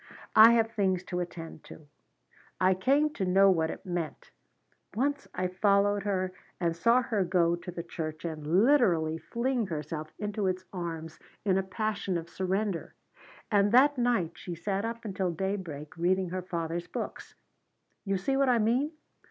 I have things to attend to.' I came to know what it meant. Once I followed her and saw her go to the church and literally fling herself into its arms in a passion of surrender. And that night she sat up until daybreak reading her father's books. You see what I mean?